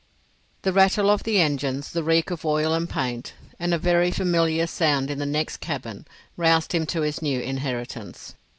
The rattle of the engines, the reek of oil and paint, and a very familiar sound in the next cabin roused him to his new inheritance.